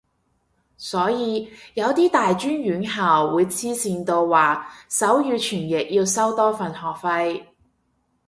所以有啲大專院校會黐線到話手語傳譯要收多份學費